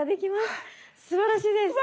すばらしいです。